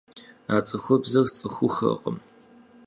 А цӀыхубзыр сцӀыхуххэркъым.